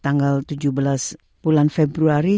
tanggal tujuh belas bulan februari